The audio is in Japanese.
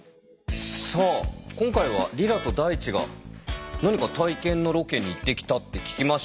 さあ今回はリラとダイチが何か体験のロケに行ってきたって聞きました。